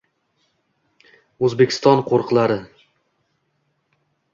Oʻzbekiston qoʻriqlari